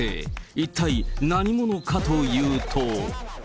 一体、何者かというと。